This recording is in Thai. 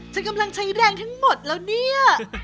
ฉันกำลังใช้แรงทั้งหมดแล้วเนี่ย